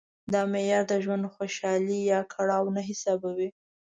دا معیار د ژوند خوشالي یا کړاو نه حسابوي.